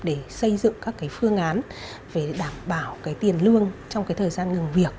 để xây dựng các phương án về đảm bảo tiền lương trong thời gian ngừng việc